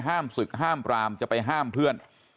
ศึกห้ามปรามจะไปห้ามเพื่อน